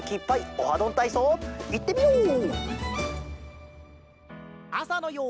「オハどんたいそう」いってみよう！